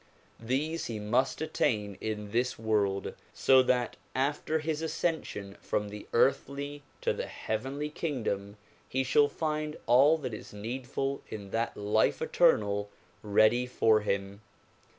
These he must attain in this world so that after his ascension from the earthly to the heavenly kingdom he shall find all that is needful in that life eternal ready for him.